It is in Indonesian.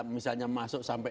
misalnya masuk sampai